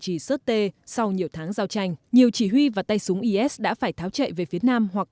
trì sớt tê sau nhiều tháng giao tranh nhiều chỉ huy và tay súng is đã phải tháo chạy về phía nam hoặc